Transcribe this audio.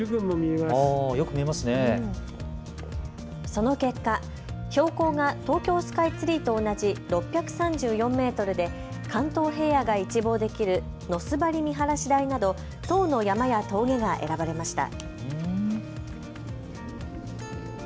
その結果、標高が東京スカイツリーと同じ６３４メートルで関東平野が一望できる野末張見晴台など１０の山や峠が選ばれました。